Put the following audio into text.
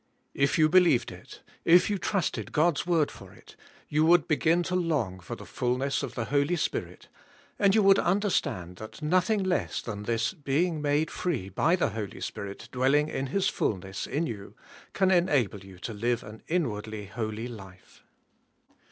If you be lieved it, if you trusted God's word for it, you would begin to long for the fullness of the Holy Spirit and you would understand that nothing less than this being made free by the Holy Spirit dwelling in His fullness in you can enable you to live an inwardly holy life.